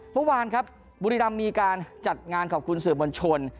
เมื่อวานครับบุรีรำมีการจัดงานขอบคุณสื่อมวลชน